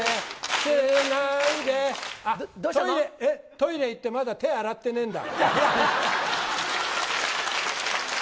トイレ行ってまだ手洗ってねえんだ。